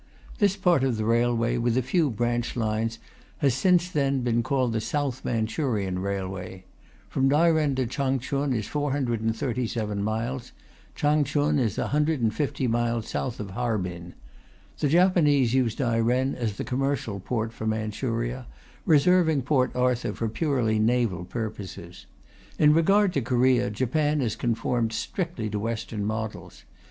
This part of the railway, with a few branch lines, has since then been called the South Manchurian Railway. From Dairen to Changchun is 437 miles; Changchun is 150 miles south of Harbin. The Japanese use Dairen as the commercial port for Manchuria, reserving Port Arthur for purely naval purposes. In regard to Korea, Japan has conformed strictly to Western models.